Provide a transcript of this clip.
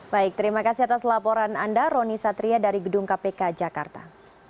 baik terima kasih atas laporan anda roni satria dari gedung kpk jakarta